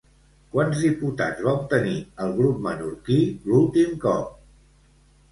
Quants diputats va obtenir el grup menorquí l'últim cop?